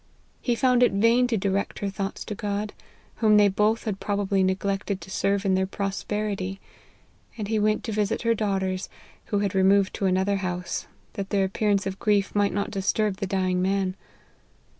He found it in vain to direct her thoughts to God, whom they both had probably neglected to serve in their prosperity, and he went to visit her daughters, who had removed to another house, that their ap pearance of grief might not disturb the dying man.